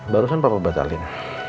barusan papa batalin